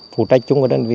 phụ trách chung với đơn vị